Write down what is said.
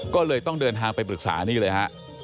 ก็เลยต้องเดินทางไปปรึกษานี่เลยฮะ